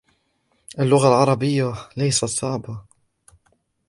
اللغة العربية ليست صعبة.